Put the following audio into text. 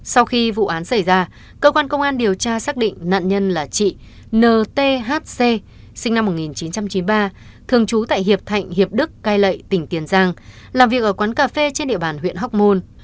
sau khi vụ án xảy ra cơ quan công an điều tra xác định nạn nhân là chị nthc sinh năm một nghìn chín trăm chín mươi ba thường trú tại hiệp thạnh hiệp đức cai lệ tỉnh tiền giang làm việc ở quán cà phê trên địa bàn huyện hóc môn